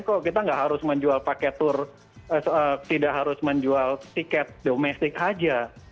kok kita nggak harus menjual paket tur tidak harus menjual tiket domestik saja